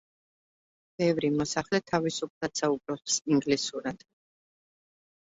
ბევრი მოსახლე თავისუფლად საუბრობს ინგლისურად.